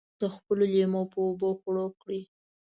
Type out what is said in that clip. د خپلو لېمو په اوبو خړوب کړي.